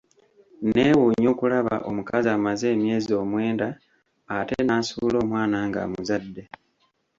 Nneewuunya okulaba omukazi amaze emyezi omwenda ate n'asuula omwana ng'amuzadde.